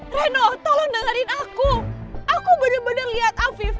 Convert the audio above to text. reno tolong dengerin aku aku bener bener liat afif